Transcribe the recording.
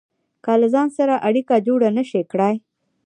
که له ځان سره اړيکه جوړه نشئ کړای.